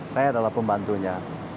saya adalah pembantunya